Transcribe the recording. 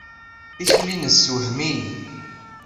Tikli-nnes tessewhem-iyi.